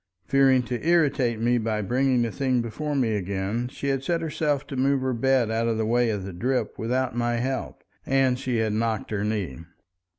Fearing to irritate me by bringing the thing before me again, she had set herself to move her bed out of the way of the drip without my help, and she had knocked her knee.